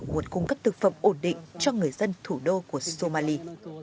nguồn cung cấp thực phẩm ổn định cho người dân thủ đô của somali